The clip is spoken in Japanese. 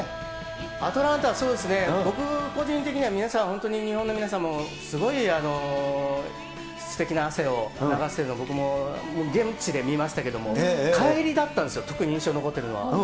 アトランタ、そうですね、僕個人的には、皆さん本当に、日本の皆さんもすごいすてきな汗を流しているのを現地で見ましたけれども、帰りだったんですよ、特に印象に残ってるのは。